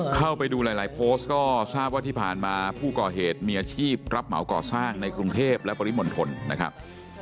เข้าไปดูหลายโพสต์ก็ทราบว่าที่ผ่านมาผู้ก่อเหตุมีอาชีพรับเหมาก่อสร้างในกรุงเทพและปริมณฑลนะครับ